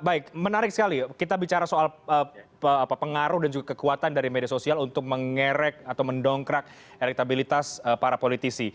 baik menarik sekali kita bicara soal pengaruh dan juga kekuatan dari media sosial untuk mengerek atau mendongkrak elektabilitas para politisi